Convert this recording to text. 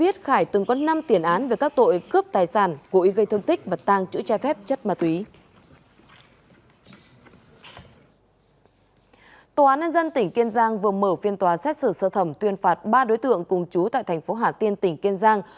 tòa án an dân tỉnh kiên giang vừa mở phiên tòa xét xử sơ thẩm tuyên phạt ba đối tượng cùng chú tại thành phố hà tiên tỉnh kiên giang